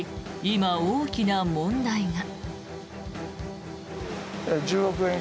今、大きな問題が。